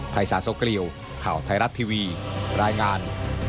ไพรสาสกรีวข่าวไทยรัฐทีวีรายงาน